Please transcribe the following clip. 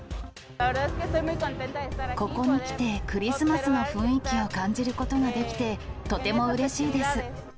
ここに来てクリスマスの雰囲気を感じることができて、とてもうれしいです。